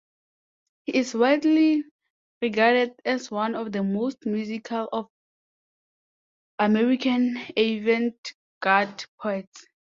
He is widely regarded as one of the most musical of American avant-garde poets.